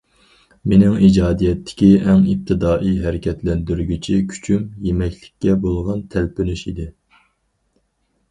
مېنىڭ ئىجادىيەتتىكى ئەڭ ئىپتىدائىي ھەرىكەتلەندۈرگۈچى كۈچۈم يېمەكلىككە بولغان تەلپۈنۈش ئىدى.